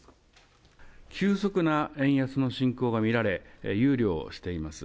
急速な円安の進行が見られ、憂慮をしています。